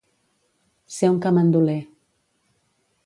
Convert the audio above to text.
Ser un camanduler.